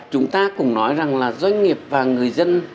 chúng ta cũng nói rằng là doanh nghiệp và người dân